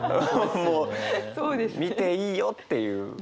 もう見ていいよっていう。